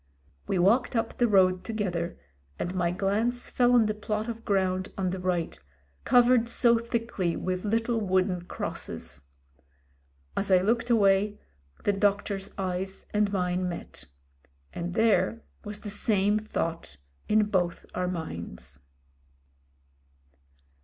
We walked up the road together, and my glance fell on the plot of ground on the right, covered so thickly with little wooden crosses. As I looked away the doc tor's eyes and mine met And there was the same thought in both our minds.